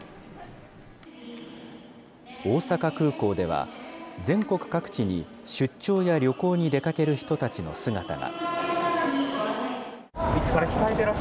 大阪空港では、全国各地に出張や旅行に出かける人たちの姿が。